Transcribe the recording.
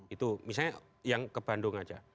itu misalnya yang ke bandung aja